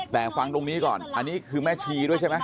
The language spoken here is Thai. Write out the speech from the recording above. แต่ฟังตรงนี้ก่อนอันนี้คือแม่ชีด้วยใช่ไหม